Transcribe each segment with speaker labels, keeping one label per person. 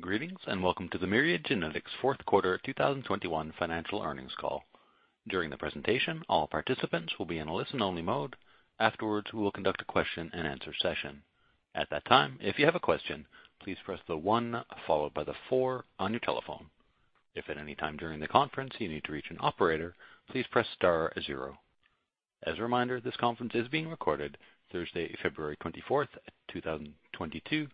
Speaker 1: Greetings, and welcome to the Myriad Genetics Fourth Quarter 2021 Financial Earnings Call. During the presentation, all participants will be in a listen-only mode. Afterwards, we will conduct a question-and-answer session. At that time, if you have a question, please press the one followed by the four on your telephone. If at any time during the conference you need to reach an operator, please press star zero. As a reminder, this conference is being recorded Thursday, February 24, 2022.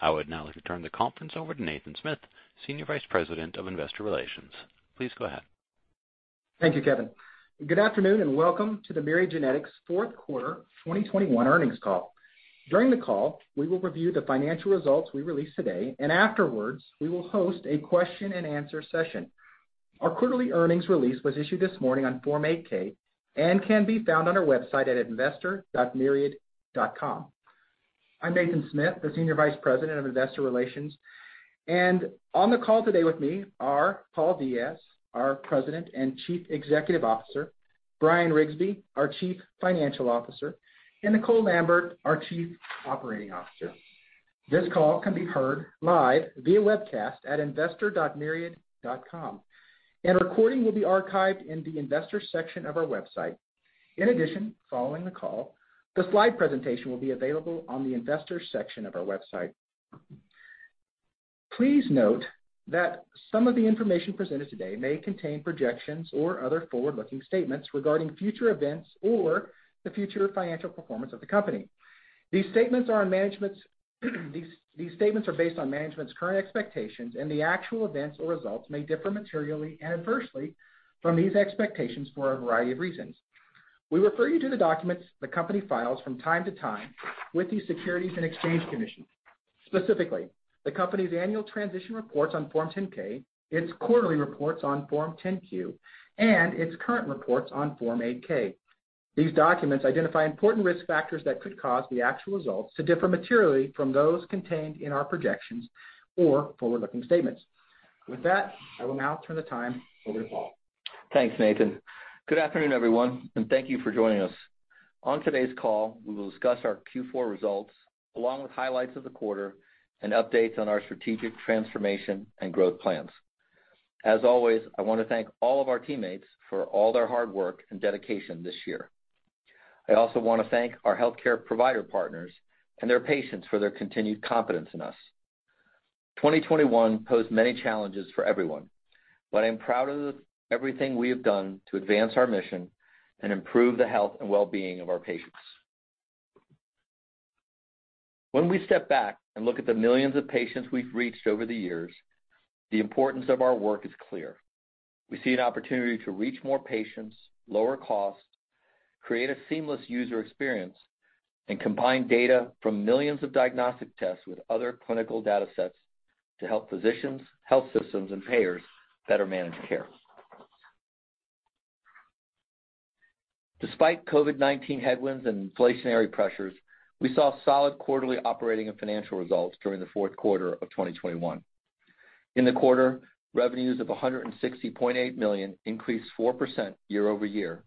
Speaker 1: I would now like to turn the conference over to Nathan Smith, Senior Vice President of Investor Relations. Please go ahead.
Speaker 2: Thank you, Kevin, and good afternoon, and welcome to the Myriad Genetics Fourth Quarter 2021 Earnings Call. During the call, we will review the financial results we released today, and afterwards we will host a question-and-answer session. Our quarterly earnings release was issued this morning on Form 8-K and can be found on our website at investor.myriad.com. I'm Nathan Smith, the Senior Vice President of Investor Relations, and on the call today with me are Paul Diaz, our President and Chief Executive Officer, Bryan Riggsbee, our Chief Financial Officer, and Nicole Lambert, our Chief Operating Officer. This call can be heard live via webcast at investor.myriad.com, and a recording will be archived in the Investors section of our website. In addition, following the call, the slide presentation will be available on the Investors section of our website. Please note that some of the information presented today may contain projections or other forward-looking statements regarding future events or the future financial performance of the company. These statements are based on management's current expectations, and the actual events or results may differ materially and adversely from these expectations for a variety of reasons. We refer you to the documents the company files from time to time with the Securities and Exchange Commission. Specifically, the company's annual transition reports on Form 10-K, its quarterly reports on Form 10-Q, and its current reports on Form 8-K. These documents identify important risk factors that could cause the actual results to differ materially from those contained in our projections or forward-looking statements. With that, I will now turn the time over to Paul.
Speaker 3: Thanks, Nathan. Good afternoon, everyone, and thank you for joining us. On today's call, we will discuss our Q4 results, along with highlights of the quarter and updates on our strategic transformation and growth plans. As always, I want to thank all of our teammates for all their hard work and dedication this year. I also want to thank our healthcare provider partners and their patients for their continued confidence in us. 2021 posed many challenges for everyone, but I'm proud of everything we have done to advance our mission and improve the health and well-being of our patients. When we step back and look at the millions of patients we've reached over the years, the importance of our work is clear. We see an opportunity to reach more patients, lower costs, create a seamless user experience, and combine data from millions of diagnostic tests with other clinical data sets to help physicians, health systems, and payers better manage care. Despite COVID-19 headwinds and inflationary pressures, we saw solid quarterly operating and financial results during the fourth quarter of 2021. In the quarter, revenues of $160.8 million increased 4% year-over-year,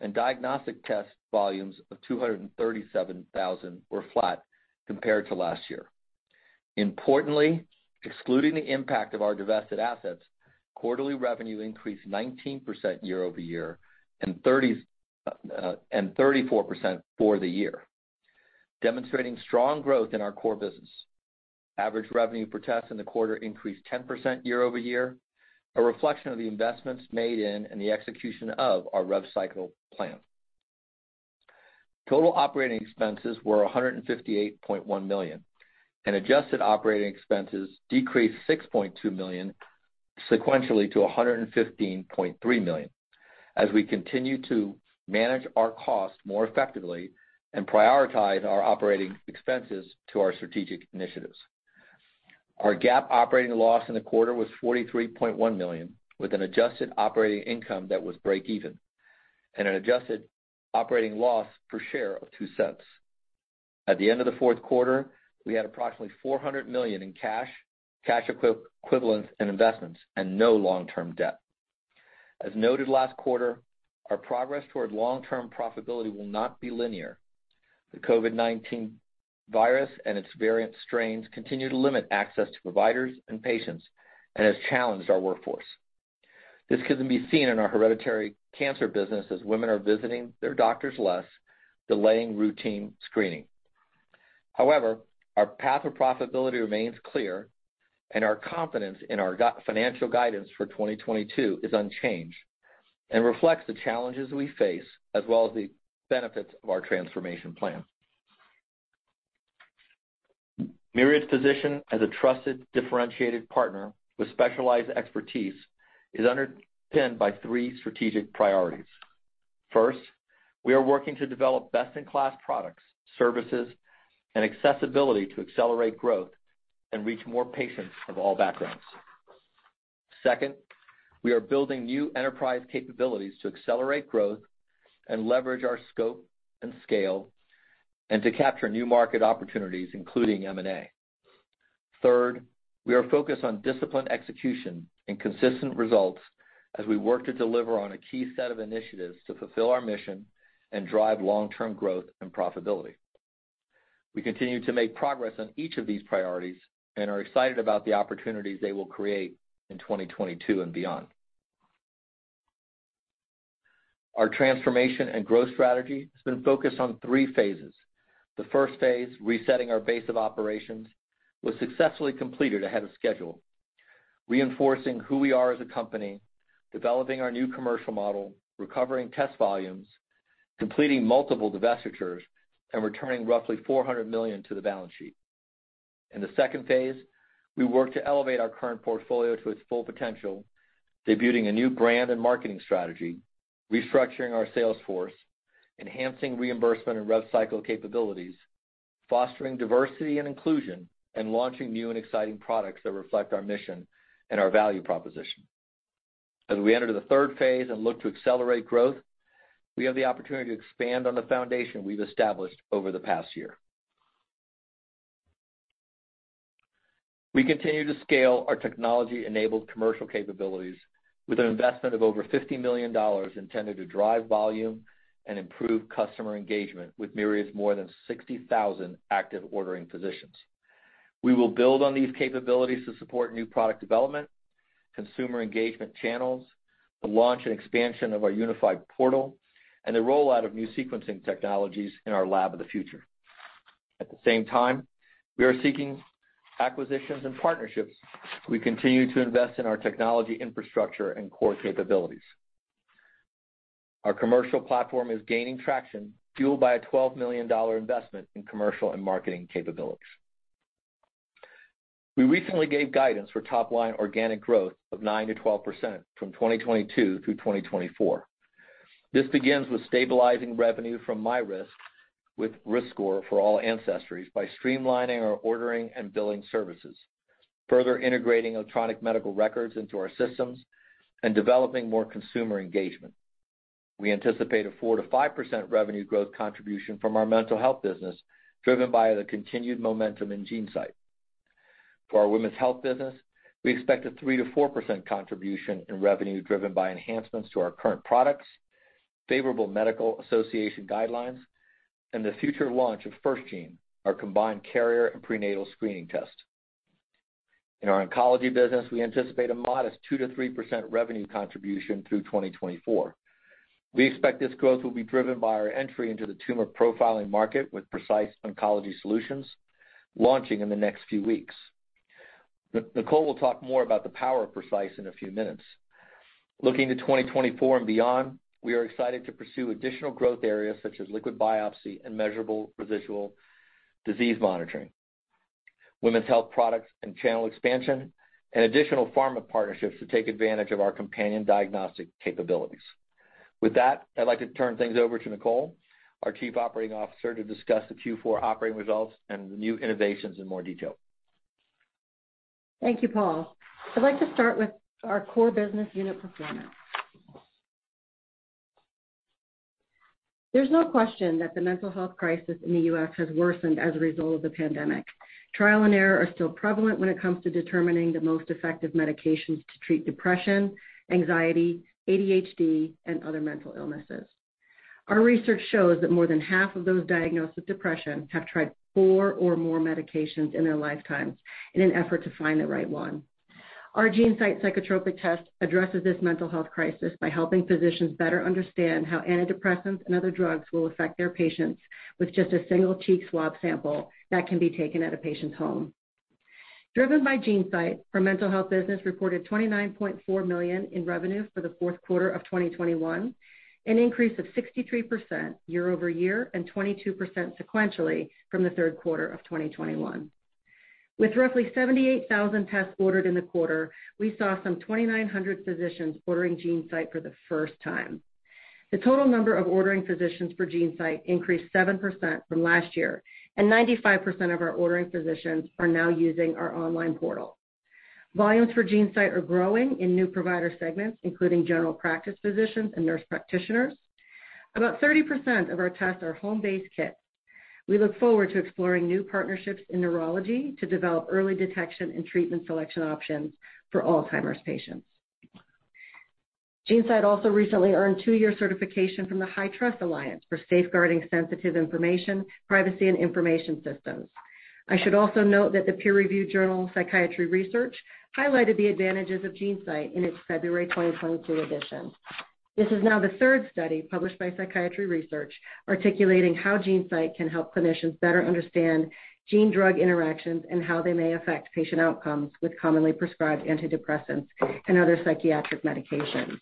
Speaker 3: and diagnostic test volumes of 237,000 were flat compared to last year. Importantly, excluding the impact of our divested assets, quarterly revenue increased 19% year-over-year and 34% for the year, demonstrating strong growth in our core business. Average revenue per test in the quarter increased 10% year-over-year, a reflection of the investments made in and the execution of our rev cycle plan. Total operating expenses were $158.1 million, and adjusted operating expenses decreased $6.2 million sequentially to $115.3 million as we continue to manage our costs more effectively and prioritize our operating expenses to our strategic initiatives. Our GAAP operating loss in the quarter was $43.1 million, with an adjusted operating income that was breakeven and an adjusted operating loss per share of $0.02. At the end of the fourth quarter, we had approximately $400 million in cash equivalent, and investments and no long-term debt. As noted last quarter, our progress towards long-term profitability will not be linear. The COVID-19 virus and its variant strains continue to limit access to providers and patients and has challenged our workforce. This can be seen in our hereditary cancer business as women are visiting their doctors less, delaying routine screening. However, our path of profitability remains clear, and our confidence in our financial guidance for 2022 is unchanged and reflects the challenges we face as well as the benefits of our transformation plan. Myriad's position as a trusted, differentiated partner with specialized expertise is underpinned by three strategic priorities. First, we are working to develop best-in-class products, services, and accessibility to accelerate growth and reach more patients of all backgrounds. Second, we are building new enterprise capabilities to accelerate growth and leverage our scope and scale, and to capture new market opportunities, including M&A. Third, we are focused on disciplined execution and consistent results as we work to deliver on a key set of initiatives to fulfill our mission and drive long-term growth and profitability. We continue to make progress on each of these priorities and are excited about the opportunities they will create in 2022 and beyond. Our transformation and growth strategy has been focused on three phases. The first phase, resetting our base of operations, reinforcing who we are as a company, developing our new commercial model, recovering test volumes, completing multiple divestitures, and returning roughly $400 million to the balance sheet. In the second phase, we worked to elevate our current portfolio to its full potential, debuting a new brand and marketing strategy, restructuring our sales force, enhancing reimbursement and rev cycle capabilities, fostering diversity and inclusion, and launching new and exciting products that reflect our mission and our value proposition. As we enter the third phase and look to accelerate growth, we have the opportunity to expand on the foundation we've established over the past year. We continue to scale our technology-enabled commercial capabilities with an investment of over $50 million intended to drive volume and improve customer engagement with Myriad's more than 60,000 active ordering physicians. We will build on these capabilities to support new product development, consumer engagement channels, the launch and expansion of our unified portal, and the rollout of new sequencing technologies in our lab of the future. At the same time, we are seeking acquisitions and partnerships as we continue to invest in our technology infrastructure and core capabilities. Our commercial platform is gaining traction, fueled by a $12 million investment in commercial and marketing capabilities. We recently gave guidance for top-line organic growth of 9%-12% from 2022 through 2024. This begins with stabilizing revenue from MyRisk with RiskScore for all ancestries by streamlining our ordering and billing services, further integrating electronic medical records into our systems, and developing more consumer engagement. We anticipate a 4%-5% revenue growth contribution from our mental health business, driven by the continued momentum in GeneSight. For our Women's Health business, we expect a 3%-4% contribution in revenue, driven by enhancements to our current products, favorable medical association guidelines, and the future launch of FirstGene, our combined carrier and prenatal screening test. In our oncology business, we anticipate a modest 2%-3% revenue contribution through 2024. We expect this growth will be driven by our entry into the tumor profiling market, with Precise Oncology Solutions launching in the next few weeks. Nicole will talk more about the power of Precise in a few minutes. Looking to 2024 and beyond, we are excited to pursue additional growth areas such as liquid biopsy and measurable residual disease monitoring, Women's Health products and channel expansion, and additional pharma partnerships to take advantage of our companion diagnostic capabilities. With that, I'd like to turn things over to Nicole, our Chief Operating Officer, to discuss the Q4 operating results and the new innovations in more detail.
Speaker 4: Thank you, Paul. I'd like to start with our core business unit performance. There's no question that the mental health crisis in the U.S. has worsened as a result of the pandemic. Trial and error are still prevalent when it comes to determining the most effective medications to treat depression, anxiety, ADHD, and other mental illnesses. Our research shows that more than half of those diagnosed with depression have tried four or more medications in their lifetimes in an effort to find the right one. Our GeneSight psychotropic test addresses this mental health crisis by helping physicians better understand how antidepressants and other drugs will affect their patients with just a single cheek swab sample that can be taken at a patient's home. Driven by GeneSight, our mental health business reported $29.4 million in revenue for Q4 2021, an increase of 63% year-over-year and 22% sequentially from Q3 2021. With roughly 78,000 tests ordered in the quarter, we saw some 2,900 physicians ordering GeneSight for the first time. The total number of ordering physicians for GeneSight increased 7% from last year, and 95% of our ordering physicians are now using our online portal. Volumes for GeneSight are growing in new provider segments, including general practice physicians and nurse practitioners. About 30% of our tests are home-based kits. We look forward to exploring new partnerships in neurology to develop early detection and treatment selection options for Alzheimer's patients. GeneSight also recently earned two-year certification from the HITRUST Alliance for safeguarding sensitive information, privacy, and information systems. I should also note that the peer-reviewed journal, Psychiatry Research, highlighted the advantages of GeneSight in its February 2022 edition. This is now the third study published by Psychiatry Research articulating how GeneSight can help clinicians better understand gene-drug interactions and how they may affect patient outcomes with commonly prescribed antidepressants and other psychiatric medications.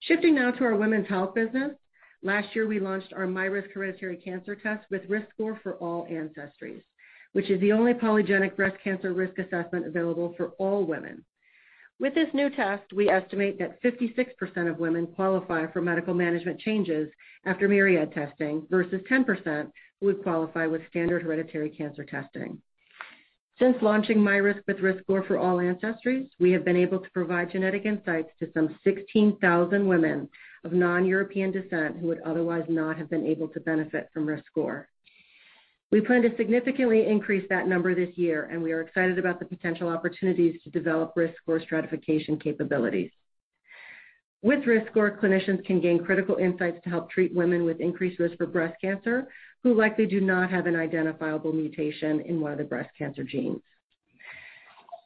Speaker 4: Shifting now to our Women's Health business. Last year, we launched our MyRisk hereditary cancer test with RiskScore for all ancestries, which is the only polygenic breast cancer risk assessment available for all women. With this new test, we estimate that 56% of women qualify for medical management changes after Myriad testing, versus 10% who would qualify with standard hereditary cancer testing. Since launching MyRisk with RiskScore for all ancestries, we have been able to provide genetic insights to some 16,000 women of non-European descent who would otherwise not have been able to benefit from RiskScore. We plan to significantly increase that number this year, and we are excited about the potential opportunities to develop RiskScore stratification capabilities. With RiskScore, clinicians can gain critical insights to help treat women with increased risk for breast cancer who likely do not have an identifiable mutation in one of the breast cancer genes.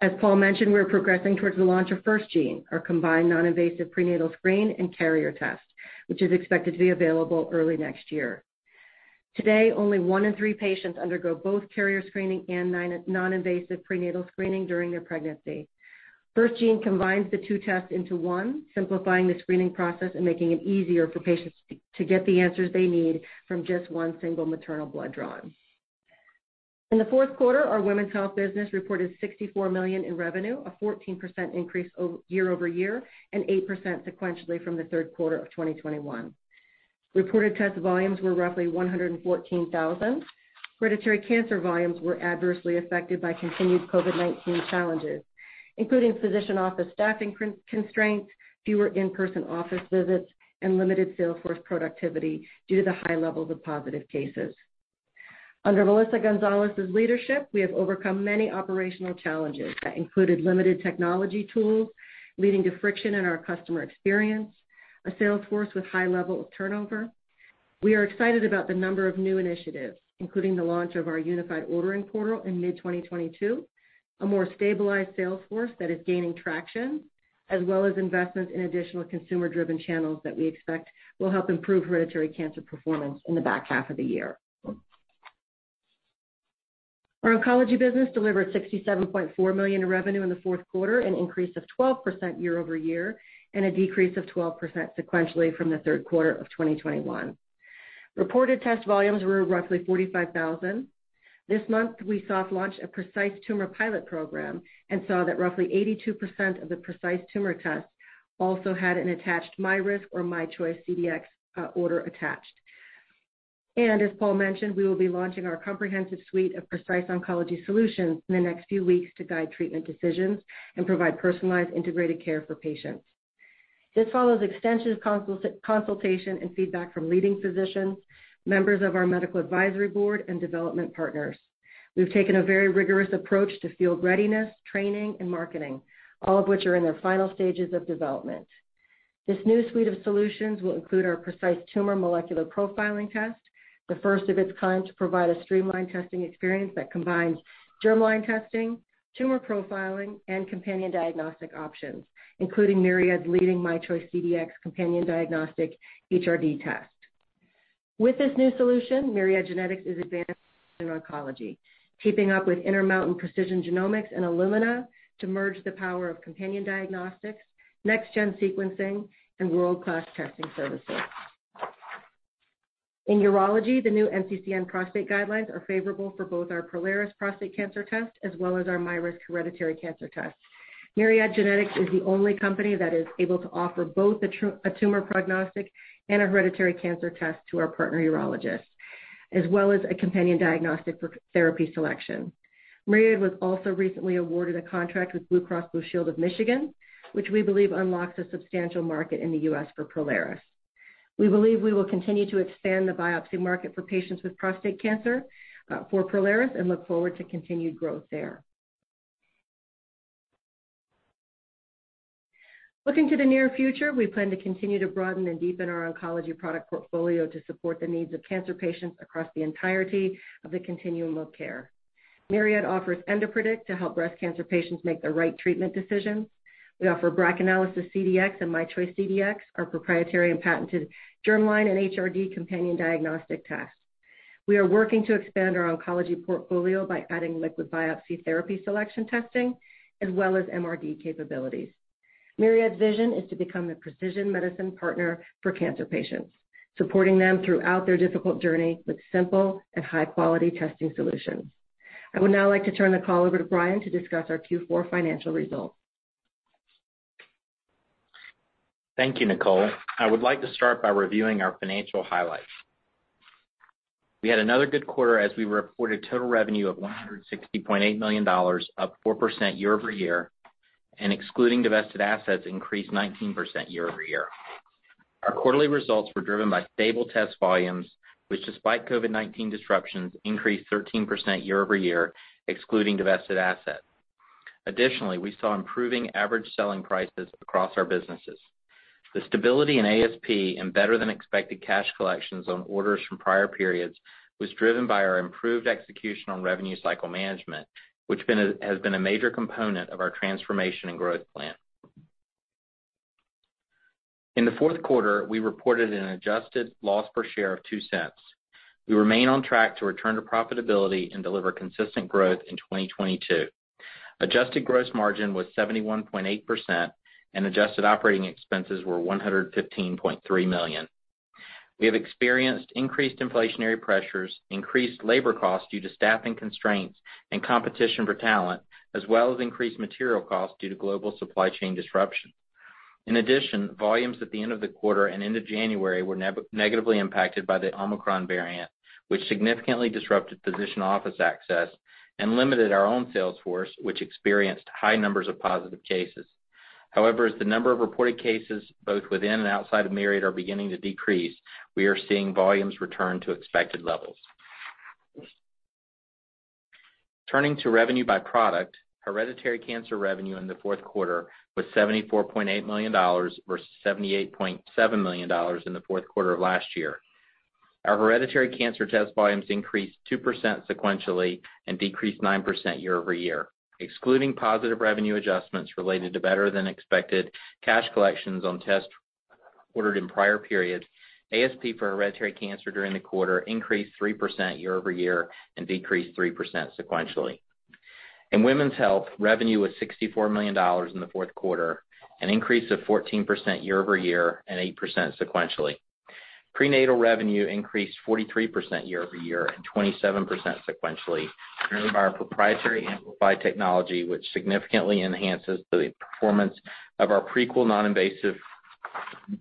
Speaker 4: As Paul mentioned, we're progressing towards the launch of FirstGene, our combined non-invasive prenatal screen and carrier test, which is expected to be available early next year. Today, only one in three patients undergo both carrier screening and NIPS, non-invasive prenatal screening during their pregnancy. FirstGene combines the two tests into one, simplifying the screening process and making it easier for patients to get the answers they need from just one single maternal blood draw. In the fourth quarter, our Women's Health business reported $64 million in revenue, a 14% increase year-over-year, and 8% sequentially from the third quarter of 2021. Reported test volumes were roughly 114,000. Hereditary cancer volumes were adversely affected by continued COVID-19 challenges, including physician office staffing constraints, fewer in-person office visits, and limited sales force productivity due to the high levels of positive cases. Under Melissa Gonzales's leadership, we have overcome many operational challenges that included limited technology tools, leading to friction in our customer experience, a sales force with high level of turnover. We are excited about the number of new initiatives, including the launch of our unified ordering portal in mid-2022, a more stabilized sales force that is gaining traction, as well as investments in additional consumer-driven channels that we expect will help improve Hereditary Cancer performance in the back half of the year. Our Oncology business delivered $67.4 million in revenue in the fourth quarter, an increase of 12% year-over-year, and a decrease of 12% sequentially from the third quarter of 2021. Reported test volumes were roughly 45,000. This month, we soft launched a Precise Tumor pilot program and saw that roughly 82% of the Precise Tumor tests also had an attached MyRisk or MyChoice CDx order attached. As Paul mentioned, we will be launching our comprehensive suite of Precise Oncology Solutions in the next few weeks to guide treatment decisions and provide personalized integrated care for patients. This follows extensive consultation and feedback from leading physicians, members of our medical advisory board, and development partners. We've taken a very rigorous approach to field readiness, training, and marketing, all of which are in their final stages of development. This new suite of solutions will include our Precise Tumor molecular profiling test, the first of its kind to provide a streamlined testing experience that combines germline testing, tumor profiling, and companion diagnostic options, including Myriad's leading MyChoice CDx companion diagnostic HRD test. With this new solution, Myriad Genetics is advancing in oncology, keeping up with Intermountain Precision Genomics and Illumina to merge the power of companion diagnostics, next-gen sequencing, and world-class testing services. In urology, the new NCCN prostate guidelines are favorable for both our Prolaris prostate cancer test as well as our MyRisk hereditary cancer test. Myriad Genetics is the only company that is able to offer both a tumor prognostic and a hereditary cancer test to our partner urologists, as well as a companion diagnostic for therapy selection. Myriad was also recently awarded a contract with Blue Cross Blue Shield of Michigan, which we believe unlocks a substantial market in the U.S. for Prolaris. We believe we will continue to expand the biopsy market for patients with prostate cancer for Prolaris and look forward to continued growth there. Looking to the near future, we plan to continue to broaden and deepen our oncology product portfolio to support the needs of cancer patients across the entirety of the continuum of care. Myriad offers EndoPredict to help breast cancer patients make the right treatment decisions. We offer BRACAnalysis CDx and MyChoice CDx, our proprietary and patented germline and HRD companion diagnostic tests. We are working to expand our oncology portfolio by adding liquid biopsy therapy selection testing as well as MRD capabilities. Myriad's vision is to become the precision medicine partner for cancer patients, supporting them throughout their difficult journey with simple and high-quality testing solutions. I would now like to turn the call over to Bryan to discuss our Q4 financial results.
Speaker 5: Thank you, Nicole. I would like to start by reviewing our financial highlights. We had another good quarter as we reported total revenue of $160.8 million, up 4% year-over-year, and excluding divested assets, increased 19% year-over-year. Our quarterly results were driven by stable test volumes, which despite COVID-19 disruptions, increased 13% year-over-year, excluding divested assets. Additionally, we saw improving average selling prices across our businesses. The stability in ASP and better than expected cash collections on orders from prior periods was driven by our improved execution on revenue cycle management, which has been a major component of our transformation and growth plan. In the fourth quarter, we reported an adjusted loss per share of $0.02. We remain on track to return to profitability and deliver consistent growth in 2022. Adjusted gross margin was 71.8%, and adjusted operating expenses were $115.3 million. We have experienced increased inflationary pressures, increased labor costs due to staffing constraints and competition for talent, as well as increased material costs due to global supply chain disruption. In addition, volumes at the end of the quarter and end of January were negatively impacted by the Omicron variant, which significantly disrupted physician office access and limited our own sales force, which experienced high numbers of positive cases. However, as the number of reported cases both within and outside of Myriad are beginning to decrease, we are seeing volumes return to expected levels. Turning to revenue by product, hereditary cancer revenue in the fourth quarter was $74.8 million versus $78.7 million in the fourth quarter of last year. Our hereditary cancer test volumes increased 2% sequentially and decreased 9% year-over-year. Excluding positive revenue adjustments related to better than expected cash collections on tests ordered in prior periods, ASP for hereditary cancer during the quarter increased 3% year-over-year and decreased 3% sequentially. In Women's Health, revenue was $64 million in the fourth quarter, an increase of 14% year-over-year and 8% sequentially. Prenatal revenue increased 43% year-over-year and 27% sequentially through our proprietary AMPLIFY technology, which significantly enhances the performance of our Prequel non-invasive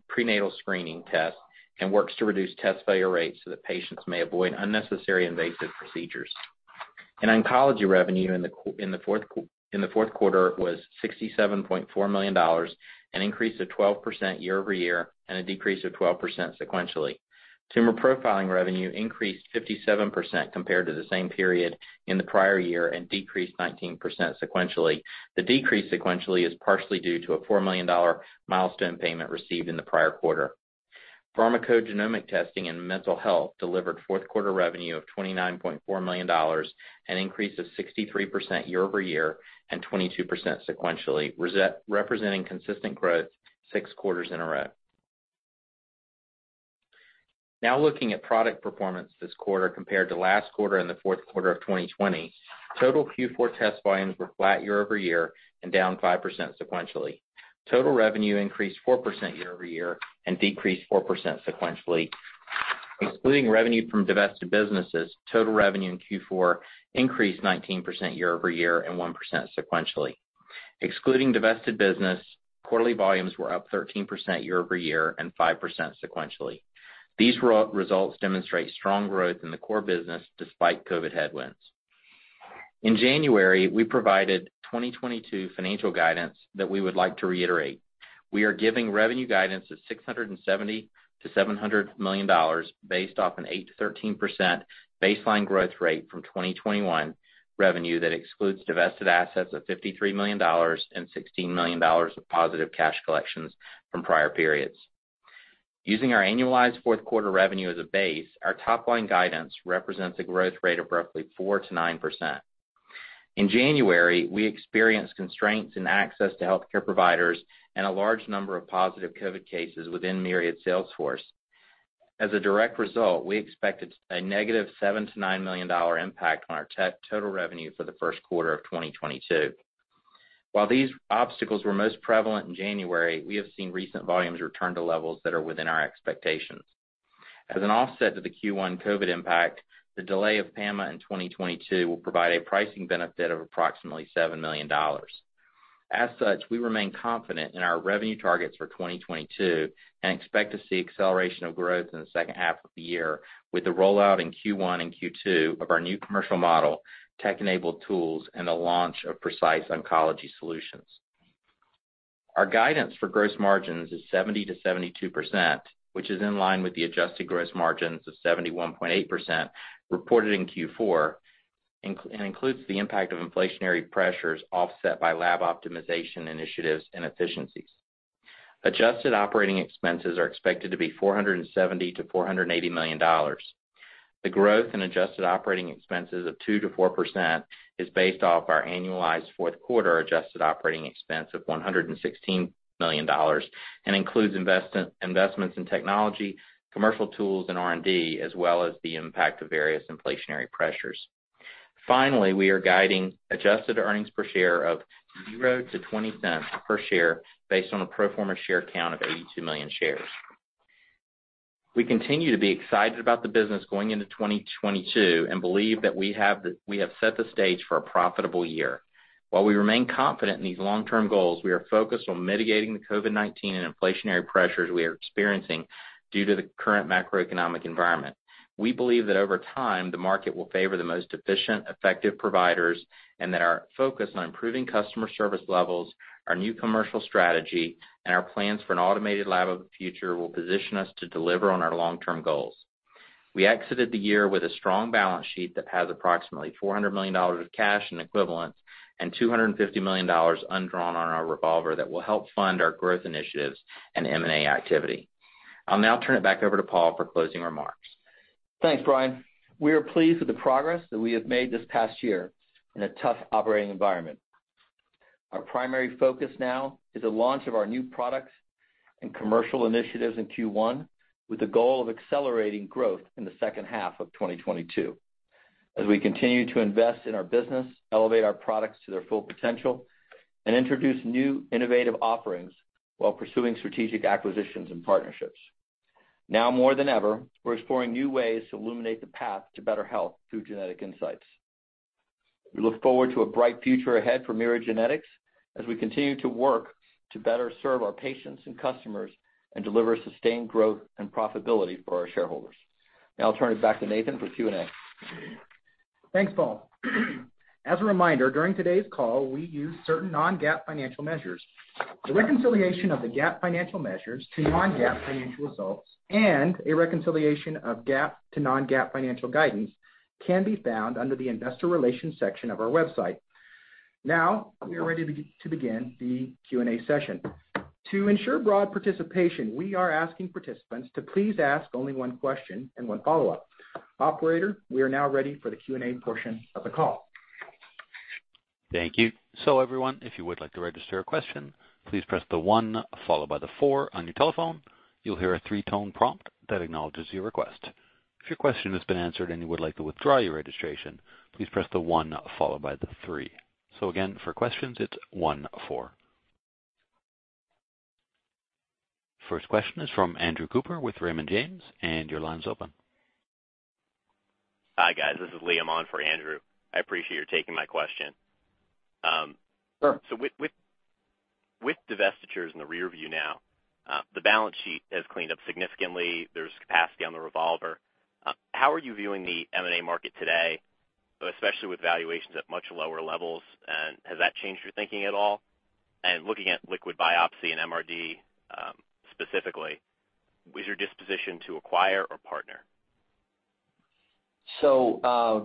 Speaker 5: prenatal screening test and works to reduce test failure rates so that patients may avoid unnecessary invasive procedures. Oncology revenue in the fourth quarter was $67.4 million, an increase of 12% year-over-year and a decrease of 12% sequentially. Tumor profiling revenue increased 57% compared to the same period in the prior year and decreased 19% sequentially. The decrease sequentially is partially due to a $4 million milestone payment received in the prior quarter. Pharmacogenomic testing and mental health delivered fourth quarter revenue of $29.4 million, an increase of 63% year-over-year and 22% sequentially, representing consistent growth six quarters in a row. Now looking at product performance this quarter compared to last quarter and the fourth quarter of 2020, total Q4 test volumes were flat year-over-year and down 5% sequentially. Total revenue increased 4% year-over-year and decreased 4% sequentially. Excluding revenue from divested businesses, total revenue in Q4 increased 19% year-over-year and 1% sequentially. Excluding divested business, quarterly volumes were up 13% year-over-year and 5% sequentially. These results demonstrate strong growth in the core business despite COVID headwinds. In January, we provided 2022 financial guidance that we would like to reiterate. We are giving revenue guidance of $670 million-$700 million, based off an 8%-13% baseline growth rate from 2021 revenue that excludes divested assets of $53 million and $16 million of positive cash collections from prior periods. Using our annualized fourth quarter revenue as a base, our top-line guidance represents a growth rate of roughly 4%-9%. In January, we experienced constraints in access to healthcare providers and a large number of positive COVID cases within Myriad's sales force. As a direct result, we expected a negative $7 million-$9 million impact on our total revenue for the first quarter of 2022. While these obstacles were most prevalent in January, we have seen recent volumes return to levels that are within our expectations. As an offset to the Q1 COVID impact, the delay of PAMA in 2022 will provide a pricing benefit of approximately $7 million. As such, we remain confident in our revenue targets for 2022 and expect to see acceleration of growth in the second half of the year with the rollout in Q1 and Q2 of our new commercial model, tech-enabled tools, and the launch of Precise Oncology Solutions. Our guidance for gross margins is 70%-72%, which is in line with the adjusted gross margins of 71.8% reported in Q4 and includes the impact of inflationary pressures offset by lab optimization initiatives and efficiencies. Adjusted operating expenses are expected to be $470 million-$480 million. The growth in adjusted operating expenses of 2%-4% is based off our annualized fourth quarter adjusted operating expense of $116 million and includes investments in technology, commercial tools, and R&D, as well as the impact of various inflationary pressures. Finally, we are guiding adjusted earnings per share of $0.00-$0.20 based on a pro forma share count of 82 million shares. We continue to be excited about the business going into 2022 and believe that we have set the stage for a profitable year. While we remain confident in these long-term goals, we are focused on mitigating the COVID-19 and inflationary pressures we are experiencing due to the current macroeconomic environment. We believe that over time, the market will favor the most efficient, effective providers and that our focus on improving customer service levels, our new commercial strategy, and our plans for an automated lab of the future will position us to deliver on our long-term goals. We exited the year with a strong balance sheet that has approximately $400 million of cash and equivalents and $250 million undrawn on our revolver that will help fund our growth initiatives and M&A activity. I'll now turn it back over to Paul Diaz for closing remarks.
Speaker 3: Thanks, Bryan. We are pleased with the progress that we have made this past year in a tough operating environment. Our primary focus now is the launch of our new products and commercial initiatives in Q1, with the goal of accelerating growth in the second half of 2022 as we continue to invest in our business, elevate our products to their full potential, and introduce new innovative offerings while pursuing strategic acquisitions and partnerships. Now more than ever, we're exploring new ways to illuminate the path to better health through genetic insights. We look forward to a bright future ahead for Myriad Genetics as we continue to work to better serve our patients and customers and deliver sustained growth and profitability for our shareholders. Now I'll turn it back to Nathan for Q&A.
Speaker 2: Thanks, Paul. As a reminder, during today's call, we use certain non-GAAP financial measures. The reconciliation of the GAAP financial measures to non-GAAP financial results and a reconciliation of GAAP to non-GAAP financial guidance can be found under the Investor Relations section of our website. Now we are ready to begin the Q&A session. To ensure broad participation, we are asking participants to please ask only one question and one follow-up. Operator, we are now ready for the Q&A portion of the call.
Speaker 1: Thank you. Everyone, if you would like to register a question, please press the one followed by the four on your telephone. You'll hear a three-tone prompt that acknowledges your request. If your question has been answered and you would like to withdraw your registration, please press the one followed by the three. Again, for questions, it's one four. First question is from Andrew Cooper with Raymond James. Your line's open.
Speaker 6: Hi, guys. This is Liam on for Andrew. I appreciate you taking my question.
Speaker 3: Sure.
Speaker 6: With divestitures in the rear view now, the balance sheet has cleaned up significantly. There's capacity on the revolver. How are you viewing the M&A market today, especially with valuations at much lower levels? Has that changed your thinking at all? Looking at liquid biopsy and MRD, specifically, is your disposition to acquire or partner?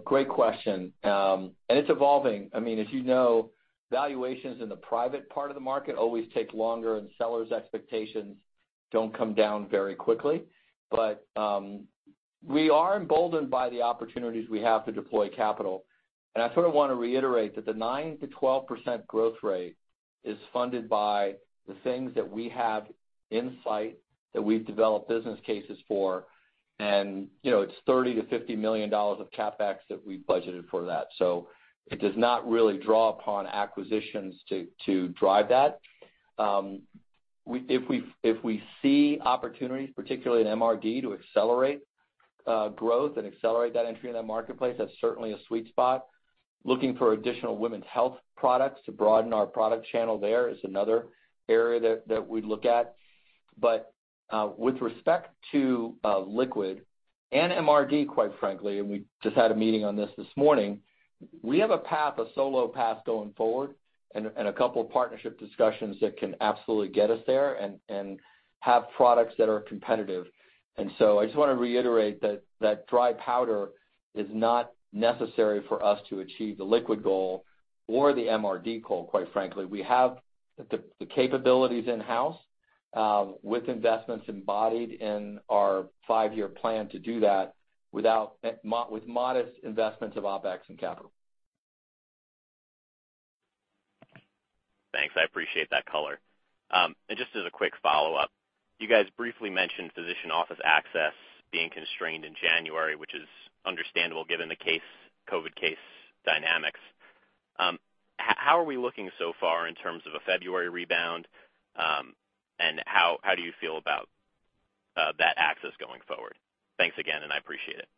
Speaker 3: Great question. It's evolving. I mean, as you know, valuations in the private part of the market always take longer, and sellers' expectations don't come down very quickly. We are emboldened by the opportunities we have to deploy capital. I sort of wanna reiterate that the 9%-12% growth rate is funded by the things that we have in sight that we've developed business cases for. You know, it's $30 million-$50 million of CapEx that we budgeted for that. It does not really draw upon acquisitions to drive that. If we see opportunities, particularly in MRD, to accelerate growth and accelerate that entry in that marketplace, that's certainly a sweet spot. Looking for additional Women's Health products to broaden our product channel there is another area that we'd look at. With respect to liquid and MRD, quite frankly, we just had a meeting on this this morning. We have a path, a solo path going forward and a couple of partnership discussions that can absolutely get us there and have products that are competitive. I just wanna reiterate that dry powder is not necessary for us to achieve the liquid goal or the MRD goal, quite frankly. We have the capabilities in-house with investments embodied in our five-year plan to do that with modest investments of OpEx and capital.
Speaker 6: Thanks. I appreciate that color. Just as a quick follow-up, you guys briefly mentioned physician office access being constrained in January, which is understandable given the COVID case dynamics. How are we looking so far in terms of a February rebound? How do you feel about that access going forward? Thanks again, and I appreciate it.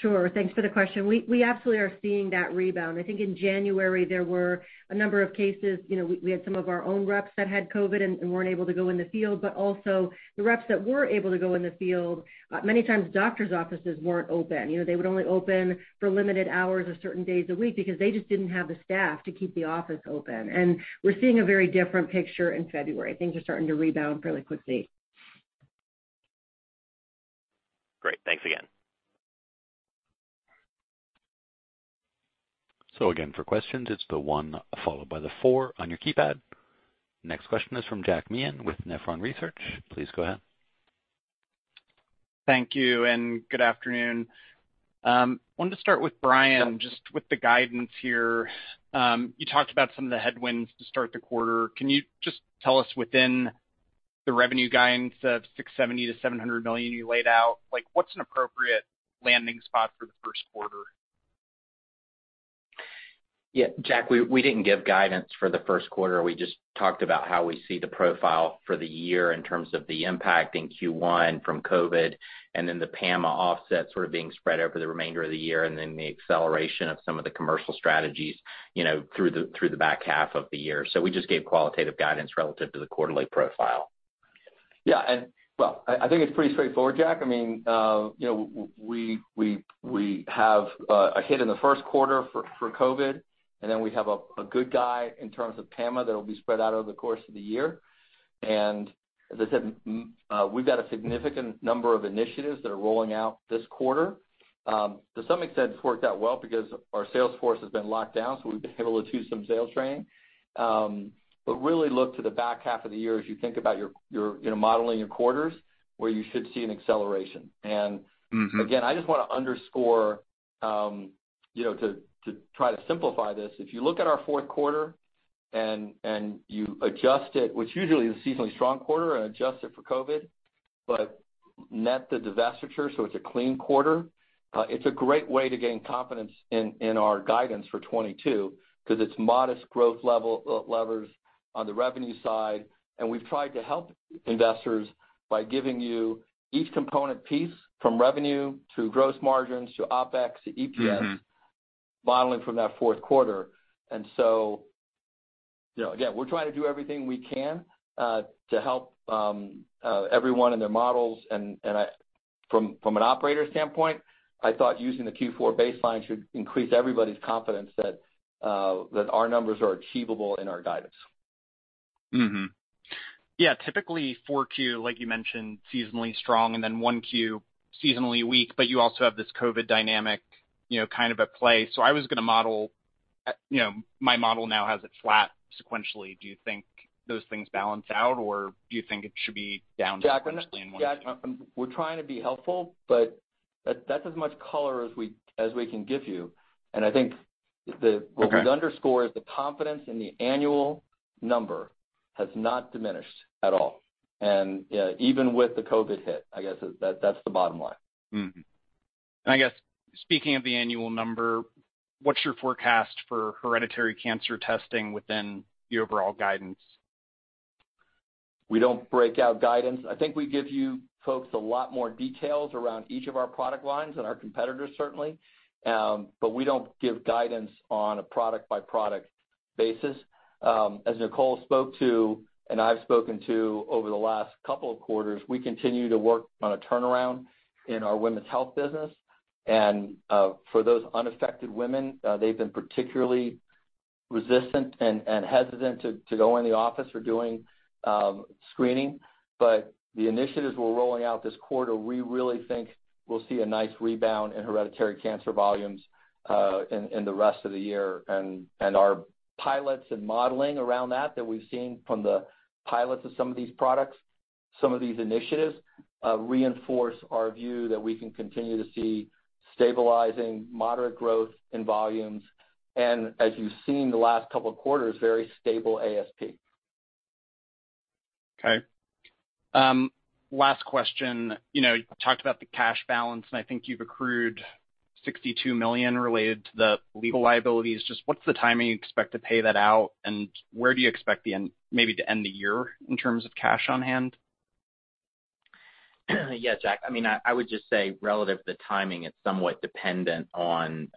Speaker 4: Sure. Thanks for the question. We absolutely are seeing that rebound. I think in January there were a number of cases. You know, we had some of our own reps that had COVID and weren't able to go in the field, but also the reps that were able to go in the field, many times doctors' offices weren't open. You know, they would only open for limited hours or certain days a week because they just didn't have the staff to keep the office open. We're seeing a very different picture in February. Things are starting to rebound fairly quickly.
Speaker 6: Great. Thanks again.
Speaker 1: Again, for questions, it's the one followed by the four on your keypad. Next question is from Jack Meehan with Nephron Research. Please go ahead.
Speaker 7: Thank you and good afternoon. Wanted to start with Bryan, just with the guidance here. You talked about some of the headwinds to start the quarter. Can you just tell us within the revenue guidance of $670 million-$700 million you laid out, like what's an appropriate landing spot for the first quarter?
Speaker 5: Yeah, Jack, we didn't give guidance for the first quarter. We just talked about how we see the profile for the year in terms of the impact in Q1 from COVID and then the PAMA offset sort of being spread over the remainder of the year and then the acceleration of some of the commercial strategies, you know, through the back half of the year. We just gave qualitative guidance relative to the quarterly profile.
Speaker 3: Yeah. Well, I think it's pretty straightforward, Jack. I mean, you know, we have a hit in the first quarter for COVID, and then we have a good guy in terms of PAMA that'll be spread out over the course of the year. As I said, we've got a significant number of initiatives that are rolling out this quarter. To some extent it's worked out well because our sales force has been locked down, so we've been able to do some sales training. But really look to the back half of the year as you think about your modeling of your quarters where you should see an acceleration.
Speaker 7: Mm-hmm.
Speaker 3: Again, I just wanna underscore, you know, to try to simplify this. If you look at our fourth quarter and you adjust it, which usually is a seasonally strong quarter, and adjust it for COVID, but net the divestiture, so it's a clean quarter, it's a great way to gain confidence in our guidance for 2022 because it's modest growth levels on the revenue side, and we've tried to help investors by giving you each component piece from revenue to gross margins to OpEx to EPS.
Speaker 7: Mm-hmm.
Speaker 3: Modeling from that fourth quarter. You know, again, we're trying to do everything we can to help everyone in their models. From an operator standpoint, I thought using the Q4 baseline should increase everybody's confidence that our numbers are achievable in our guidance.
Speaker 7: Yeah, typically 4Q, like you mentioned, seasonally strong, and then 1Q seasonally weak, but you also have this COVID dynamic, you know, kind of at play. I was gonna model, you know, my model now has it flat sequentially. Do you think those things balance out, or do you think it should be down sequentially in 1Q?
Speaker 3: Jack, we're trying to be helpful, but that's as much color as we can give you. I think the-
Speaker 7: Okay.
Speaker 3: What we underscore is the confidence in the annual number has not diminished at all. Even with the COVID hit, I guess that's the bottom line.
Speaker 7: I guess speaking of the annual number, what's your forecast for hereditary cancer testing within the overall guidance?
Speaker 3: We don't break out guidance. I think we give you folks a lot more details around each of our product lines than our competitors, certainly. We don't give guidance on a product-by-product basis. As Nicole spoke to, and I've spoken to over the last couple of quarters, we continue to work on a turnaround in our Women's Health business. For those unaffected women, they've been particularly resistant and hesitant to go in the office for doing screening. The initiatives we're rolling out this quarter, we really think we'll see a nice rebound in hereditary cancer volumes in the rest of the year. Our pilots and modeling around that we've seen from the pilots of some of these products, some of these initiatives reinforce our view that we can continue to see stabilizing moderate growth in volumes, and as you've seen the last couple of quarters, very stable ASP.
Speaker 7: Okay. Last question. You know, you talked about the cash balance, and I think you've accrued $62 million related to the legal liabilities. Just what's the timing you expect to pay that out, and where do you expect maybe to end the year in terms of cash on hand?
Speaker 5: Yeah, Jack. I mean, I would just say relative to the timing, it's somewhat dependent on,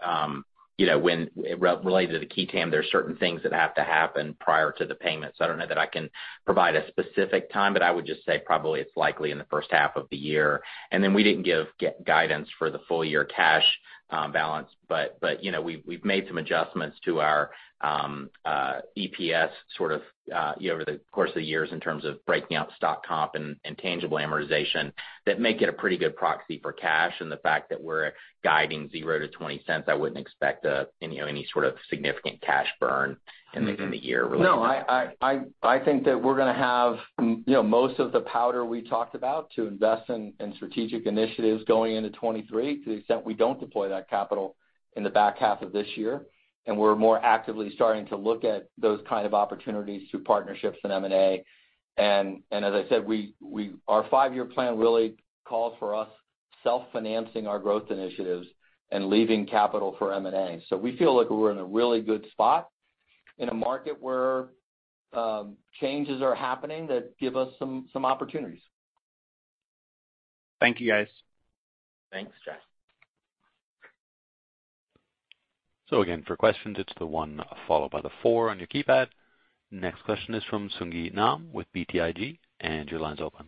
Speaker 5: you know, when related to the qui tam, there are certain things that have to happen prior to the payment. So I don't know that I can provide a specific time, but I would just say probably it's likely in the first half of the year. We didn't give guidance for the full year cash balance. But you know, we've made some adjustments to our EPS, sort of, over the course of the years in terms of breaking out stock comp and tangible amortization that make it a pretty good proxy for cash. The fact that we're guiding $0-$0.20, I wouldn't expect, you know, any sort of significant cash burn in the year related to that.
Speaker 3: No, I think that we're gonna have, you know, most of the powder we talked about to invest in strategic initiatives going into 2023, to the extent we don't deploy that capital in the back half of this year. We're more actively starting to look at those kind of opportunities through partnerships in M&A. As I said, our five-year plan really calls for us self-financing our growth initiatives and leaving capital for M&A. We feel like we're in a really good spot in a market where changes are happening that give us some opportunities.
Speaker 7: Thank you, guys.
Speaker 3: Thanks, Jack.
Speaker 1: Again, for questions, it's the one followed by the four on your keypad. Next question is from Sung Ji Nam with BTIG, and your line's open.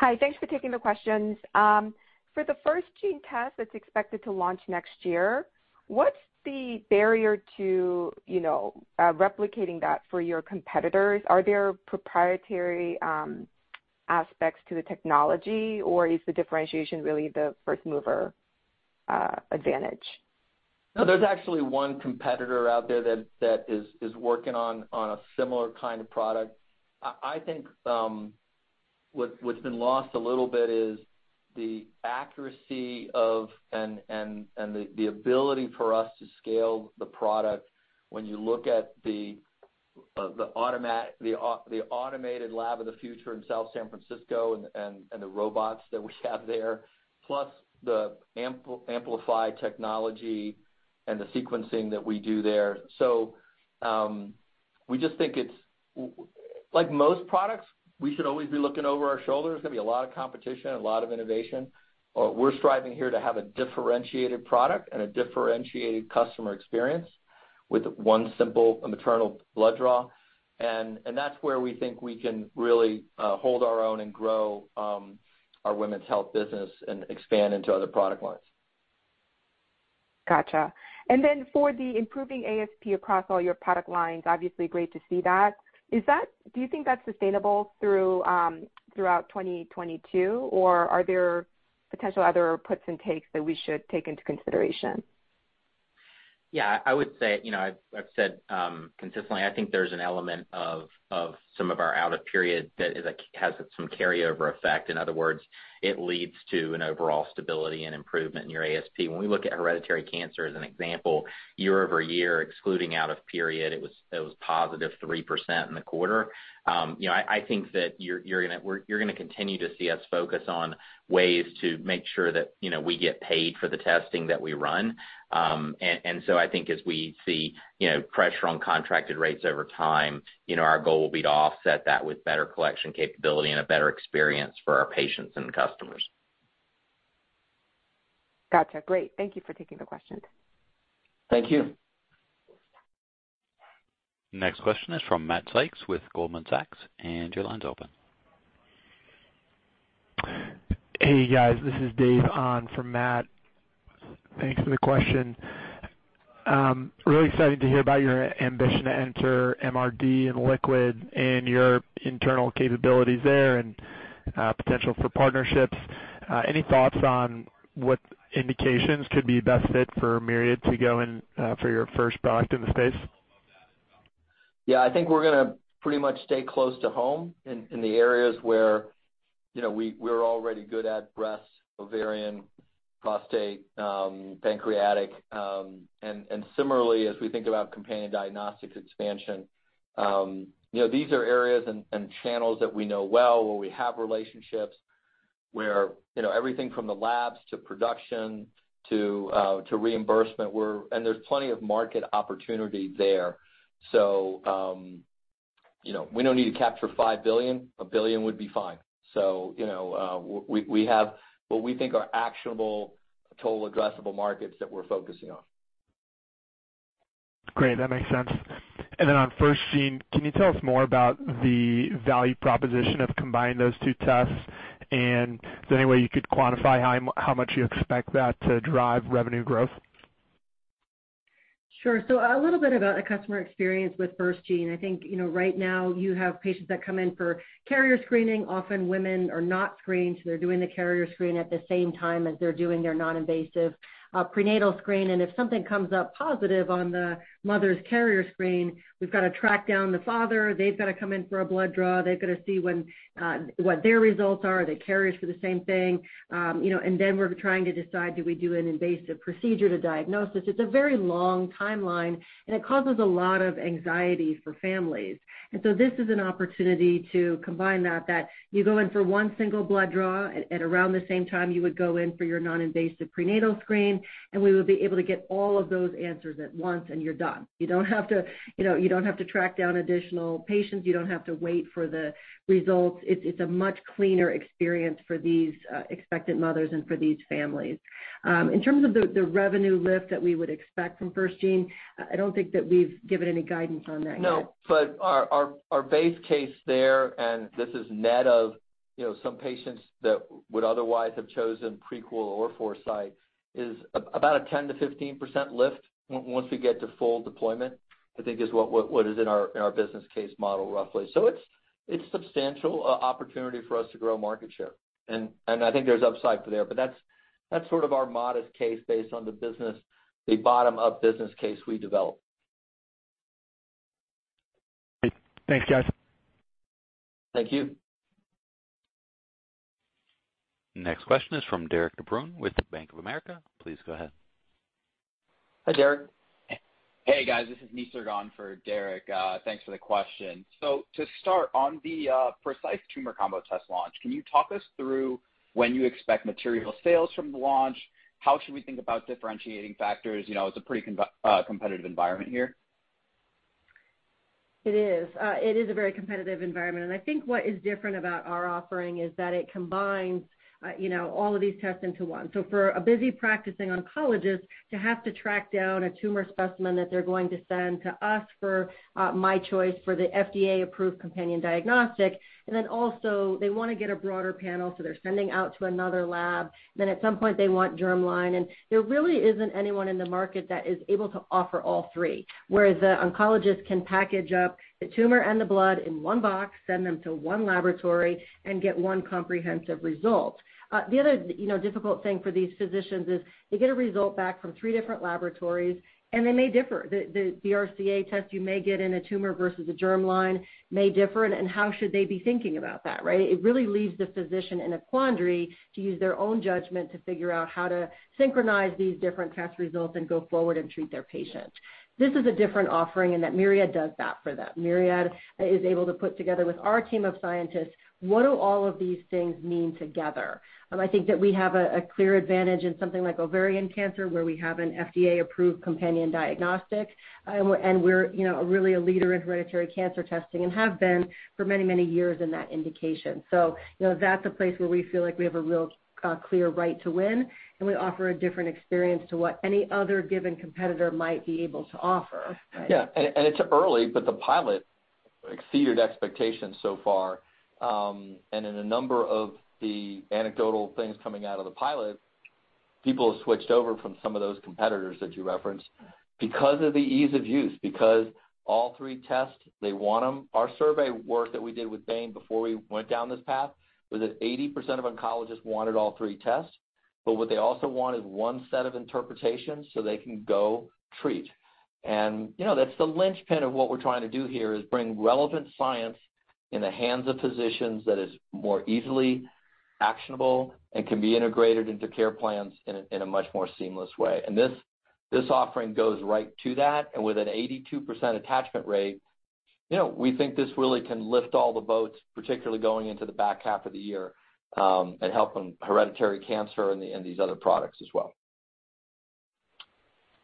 Speaker 8: Hi. Thanks for taking the questions. For the FirstGene test that's expected to launch next year, what's the barrier to, you know, replicating that for your competitors? Are there proprietary aspects to the technology, or is the differentiation really the first mover advantage?
Speaker 3: No, there's actually one competitor out there that is working on a similar kind of product. I think what's been lost a little bit is the accuracy of and the ability for us to scale the product when you look at the automated lab of the future in South San Francisco and the robots that we have there, plus the amplify technology and the sequencing that we do there. We just think it's like most products, we should always be looking over our shoulder. There's gonna be a lot of competition and a lot of innovation. We're striving here to have a differentiated product and a differentiated customer experience with one simple maternal blood draw. That's where we think we can really hold our own and grow our Women's Health business and expand into other product lines.
Speaker 8: Gotcha. For the improving ASP across all your product lines, obviously great to see that. Is that, do you think that's sustainable throughout 2022, or are there potential other puts and takes that we should take into consideration?
Speaker 5: Yeah, I would say, you know, I've said consistently. I think there's an element of some of our out of period that has some carryover effect. In other words, it leads to an overall stability and improvement in your ASP. When we look at hereditary cancer as an example, year-over-year, excluding out of period, it was positive 3% in the quarter. You know, I think that you're gonna continue to see us focus on ways to make sure that, you know, we get paid for the testing that we run. I think as we see, you know, pressure on contracted rates over time, you know, our goal will be to offset that with better collection capability and a better experience for our patients and customers.
Speaker 8: Gotcha. Great. Thank you for taking the questions.
Speaker 3: Thank you.
Speaker 1: Next question is from Matt Sykes with Goldman Sachs, and your line's open.
Speaker 9: Hey guys, this is Dave on for Matt. Thanks for the question. Really excited to hear about your ambition to enter MRD and liquid and your internal capabilities there and potential for partnerships. Any thoughts on what indications could be best fit for Myriad to go in for your first product in the space?
Speaker 3: Yeah. I think we're gonna pretty much stay close to home in the areas where, you know, we're already good at breast, ovarian, prostate, pancreatic. Similarly, as we think about companion diagnostics expansion, you know, these are areas and channels that we know well, where we have relationships, where, you know, everything from the labs to production to reimbursement. There's plenty of market opportunity there. You know, we don't need to capture $5 billion, $1 billion would be fine. You know, we have what we think are actionable total addressable markets that we're focusing on.
Speaker 9: Great. That makes sense. Then on FirstGene, can you tell us more about the value proposition of combining those two tests? Is there any way you could quantify how much you expect that to drive revenue growth?
Speaker 4: Sure. A little bit about the customer experience with FirstGene. I think, you know, right now you have patients that come in for carrier screening. Often women are not screened, so they're doing the carrier screen at the same time as they're doing their non-invasive prenatal screen. If something comes up positive on the mother's carrier screen, we've got to track down the father. They've got to come in for a blood draw. They've got to see what their results are. Are they carriers for the same thing? You know, and then we're trying to decide, do we do an invasive procedure to diagnose this? It's a very long timeline, and it causes a lot of anxiety for families. This is an opportunity to combine that you go in for one single blood draw at around the same time you would go in for your non-invasive prenatal screen, and we would be able to get all of those answers at once, and you're done. You don't have to, you know, you don't have to track down additional patients. You don't have to wait for the results. It's a much cleaner experience for these expectant mothers and for these families. In terms of the revenue lift that we would expect from FirstGene, I don't think that we've given any guidance on that yet.
Speaker 3: No. Our base case there, and this is net of, you know, some patients that would otherwise have chosen Prequel or Foresight, is about a 10%-15% lift once we get to full deployment. I think is what is in our business case model, roughly. It's substantial opportunity for us to grow market share. I think there's upside for there. That's sort of our modest case based on the bottom-up business case we developed.
Speaker 9: Great. Thanks, guys.
Speaker 3: Thank you.
Speaker 1: Next question is from Derik De Bruin with Bank of America. Please go ahead.
Speaker 3: Hi, Derik.
Speaker 10: Hey guys, this is Misar on for Derik De Bruin. Thanks for the question. To start, on the Precise Tumor combo test launch, can you talk us through when you expect material sales from the launch? How should we think about differentiating factors? You know, it's a pretty competitive environment here.
Speaker 4: It is a very competitive environment. I think what is different about our offering is that it combines, you know, all of these tests into one. For a busy practicing oncologist to have to track down a tumor specimen that they're going to send to us for MyChoice for the FDA-approved companion diagnostic, and then also they wanna get a broader panel, so they're sending out to another lab. At some point, they want germline, and there really isn't anyone in the market that is able to offer all three. Whereas the oncologist can package up the tumor and the blood in one box, send them to one laboratory and get one comprehensive result. The other, you know, difficult thing for these physicians is they get a result back from three different laboratories, and they may differ. The BRCA test you may get in a tumor versus a germline may differ, and how should they be thinking about that, right? It really leaves the physician in a quandary to use their own judgment to figure out how to synchronize these different test results and go forward and treat their patient. This is a different offering in that Myriad does that for them. Myriad is able to put together with our team of scientists what all of these things mean together. I think that we have a clear advantage in something like ovarian cancer, where we have an FDA-approved companion diagnostic. We're, you know, really a leader in hereditary cancer testing and have been for many, many years in that indication. You know, that's a place where we feel like we have a real, clear right to win, and we offer a different experience to what any other given competitor might be able to offer. Right?
Speaker 3: Yeah. It's early, but the pilot exceeded expectations so far. In a number of the anecdotal things coming out of the pilot, people have switched over from some of those competitors that you referenced because of the ease of use, because all three tests, they want them. Our survey work that we did with Bain before we went down this path was that 80% of oncologists wanted all three tests, but what they also want is one set of interpretations so they can go treat. You know, that's the linchpin of what we're trying to do here, is bring relevant science in the hands of physicians that is more easily actionable and can be integrated into care plans in a much more seamless way. This offering goes right to that. With an 82% attachment rate, you know, we think this really can lift all the boats, particularly going into the back half of the year, and help in hereditary cancer and these other products as well.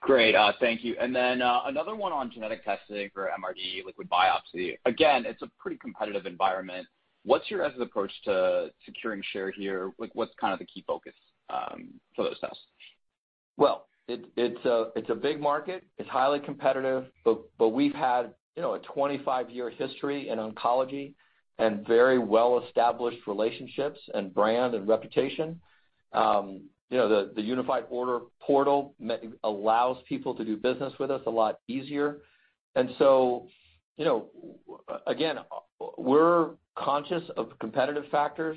Speaker 10: Great. Thank you. Another one on genetic testing for MRD liquid biopsy. Again, it's a pretty competitive environment. What's your guys' approach to securing share here? Like, what's kind of the key focus for those tests?
Speaker 3: It's a big market. It's highly competitive, but we've had, you know, a 25-year history in oncology and very well-established relationships and brand and reputation. You know, the unified order portal allows people to do business with us a lot easier. We're conscious of competitive factors,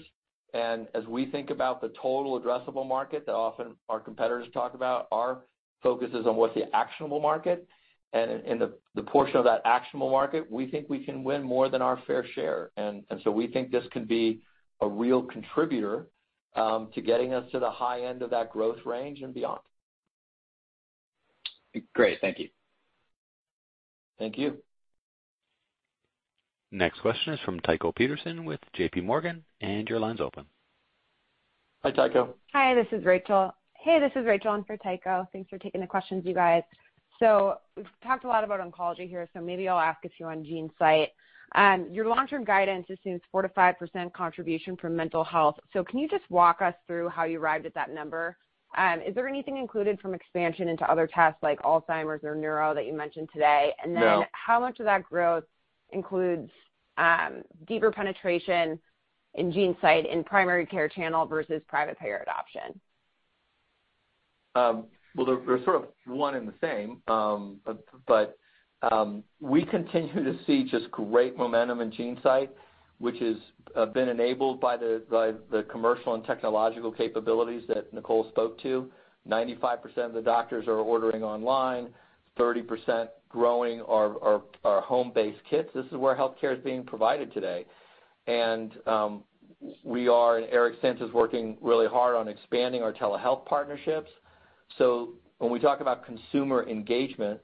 Speaker 3: and as we think about the total addressable market that often our competitors talk about, our focus is on what's the actionable market and the portion of that actionable market we think we can win more than our fair share. We think this could be a real contributor to getting us to the high end of that growth range and beyond.
Speaker 10: Great. Thank you.
Speaker 3: Thank you.
Speaker 1: Next question is from Tycho Peterson with JPMorgan, and your line's open.
Speaker 3: Hi, Tycho.
Speaker 11: Hi, this is Rachel. Hey, this is Rachel in for Tycho. Thanks for taking the questions, you guys. We've talked a lot about oncology here, so maybe I'll ask a few on GeneSight. Your long-term guidance assumes 4%-5% contribution from mental health. Can you just walk us through how you arrived at that number? Is there anything included from expansion into other tests like Alzheimer's or neuro that you mentioned today?
Speaker 3: No.
Speaker 11: How much of that growth includes deeper penetration in GeneSight in primary care channel versus private payer adoption?
Speaker 3: Well, they're sort of one and the same. We continue to see just great momentum in GeneSight, which has been enabled by the commercial and technological capabilities that Nicole spoke to. 95% of the doctors are ordering online, 30% growth in home-based kits. This is where healthcare is being provided today. We are, and Eric Santa is working really hard on expanding our telehealth partnerships. When we talk about consumer engagement,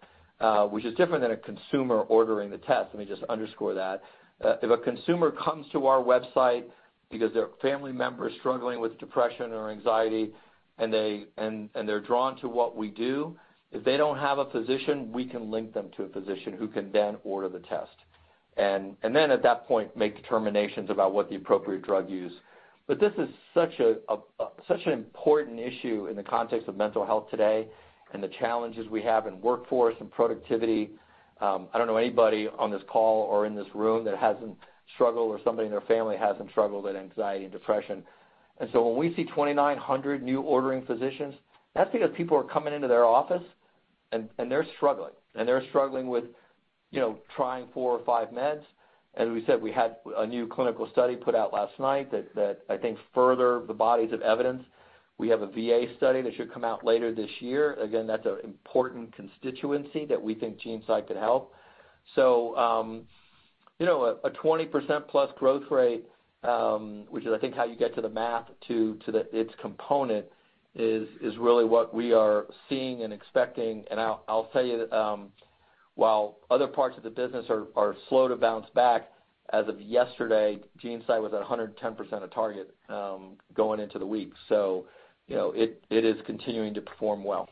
Speaker 3: which is different than a consumer ordering the test, let me just underscore that. If a consumer comes to our website because their family member is struggling with depression or anxiety and they're drawn to what we do. If they don't have a physician, we can link them to a physician who can then order the test. At that point, make determinations about what the appropriate drug use. This is such an important issue in the context of mental health today and the challenges we have in workforce and productivity. I don't know anybody on this call or in this room that hasn't struggled with somebody in their family, hasn't struggled with anxiety and depression. When we see 2,900 new ordering physicians, that's because people are coming into their office and they're struggling with, you know, trying four or five meds. As we said, we had a new clinical study put out last night that I think furthers the body of evidence. We have a VA study that should come out later this year. Again, that's an important constituency that we think GeneSight could help. You know, a 20%+ growth rate, which is I think how you get to the math to its component, is really what we are seeing and expecting. I'll tell you, while other parts of the business are slow to bounce back, as of yesterday, GeneSight was at 110% of target, going into the week. You know, it is continuing to perform well.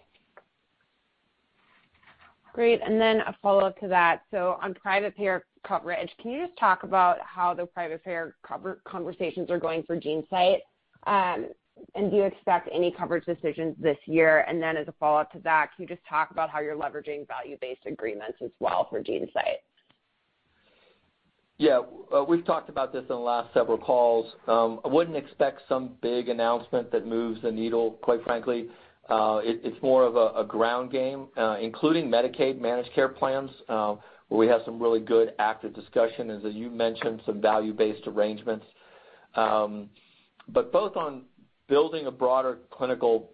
Speaker 11: Great. Then a follow-up to that. On private payer coverage, can you just talk about how the private payer conversations are going for GeneSight? Do you expect any coverage decisions this year? Then as a follow-up to that, can you just talk about how you're leveraging value-based agreements as well for GeneSight?
Speaker 3: Yeah. We've talked about this in the last several calls. I wouldn't expect some big announcement that moves the needle, quite frankly. It's more of a ground game, including Medicaid managed care plans, where we have some really good active discussion and as you mentioned, some value-based arrangements. Both on building a broader clinical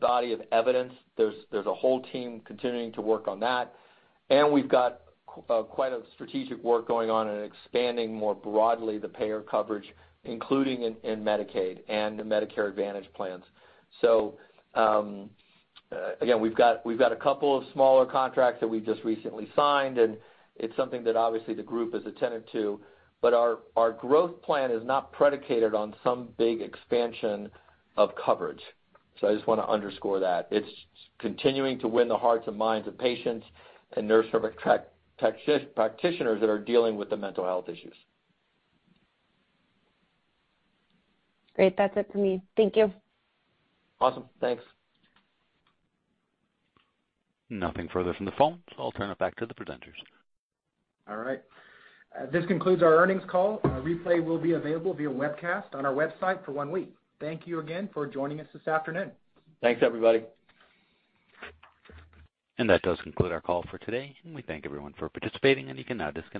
Speaker 3: body of evidence, there's a whole team continuing to work on that. We've got quite a strategic work going on in expanding more broadly the payer coverage, including in Medicaid and the Medicare Advantage plans. Again, we've got a couple of smaller contracts that we just recently signed, and it's something that obviously the group is attentive to. Our growth plan is not predicated on some big expansion of coverage. I just wanna underscore that. It's continuing to win the hearts and minds of patients and nurse practitioners that are dealing with the mental health issues.
Speaker 11: Great. That's it for me. Thank you.
Speaker 3: Awesome. Thanks.
Speaker 1: Nothing further from the phone, so I'll turn it back to the presenters.
Speaker 2: All right. This concludes our earnings call. A replay will be available via webcast on our website for one week. Thank you again for joining us this afternoon.
Speaker 3: Thanks, everybody.
Speaker 1: That does conclude our call for today, and we thank everyone for participating, and you can now disconnect.